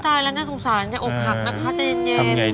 ตายแล้วน่าสงสารแกอกหักนะคะใจเย็น